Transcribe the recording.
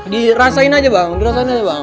dirasain aja bang dirasain aja bang